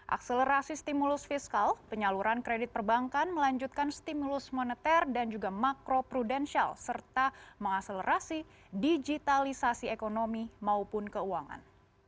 akselerasi stimulus fiskal penyaluran kredit perbankan melanjutkan stimulus moneter dan juga makro prudensial serta mengakselerasi digitalisasi ekonomi maupun keuangan